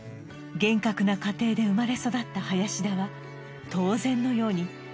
厳格な家庭で生まれ育った林田は当然のように勉学に力を注ぎ